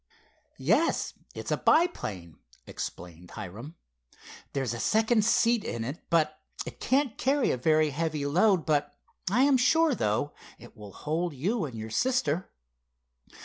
"Yes, it's a biplane," explained Hiram. "There's a second seat in it, but it can't carry a very heavy load, but I am sure, though, it will hold you and your sister.